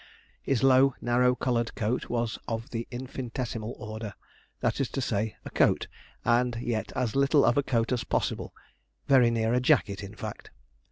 His low, narrow collared coat was of the infinitesimal order; that is to say, a coat, and yet as little of a coat as possible very near a jacket, in fact.